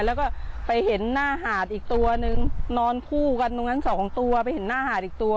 แล้วก็ไปเห็นหน้าหาดอีกตัวนึงนอนคู่กันตรงนั้นสองตัวไปเห็นหน้าหาดอีกตัว